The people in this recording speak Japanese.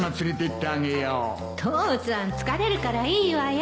父さん疲れるからいいわよ